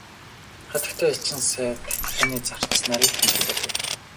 Хатагтай элчин сайд таны зарц нарыг танилцуулъя.